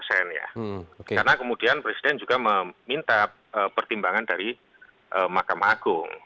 karena kemudian presiden juga meminta pertimbangan dari makam agung